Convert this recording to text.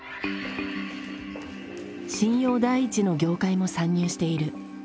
信用第一の業界も参入している。